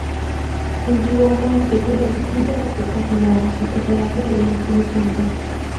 En su obra articula distintos aspectos de la psicoterapia y la espiritualidad.